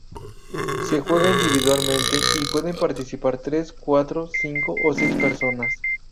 Se juega individualmente y pueden participar tres, cuatro, cinco o seis personas.